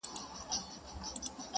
• سېل د زاڼو پر ساحل باندي تیریږي,